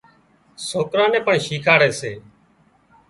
سوڪران نين پڻ شيکاڙي سي